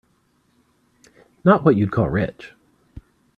Not what you'd call rich.